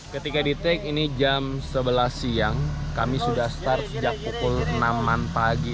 ketika di take ini jam sebelas siang kami sudah start sejak pukul enam an pagi